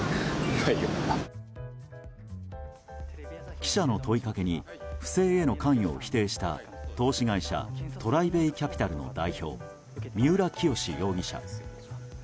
記者の問いかけに不正への関与を否定した投資会社ＴＲＩＢＡＹＣＡＰＩＴＡＬの代表、三浦清志容疑者。